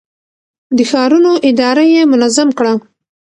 د ښارونو اداره يې منظم کړه.